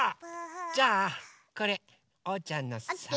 じゃあこれおうちゃんのさお。